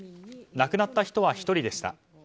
亡くなった人は１人でした。